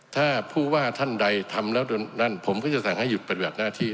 ถ้าผู้ว่าท่านใดทำแล้วนั่นผมก็จะสั่งให้หยุดปฏิบัติหน้าที่